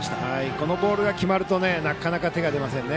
このボールが決まるとなかなか手が出ませんね。